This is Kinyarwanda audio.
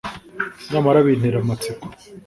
nyamara bintera amatsiko